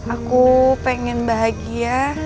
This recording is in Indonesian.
aku pengen bahagia